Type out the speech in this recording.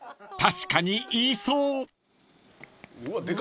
［確かに言いそう］